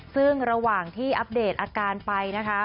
ซึ่งระหว่างที่อัปเดตอาการไปนะคะ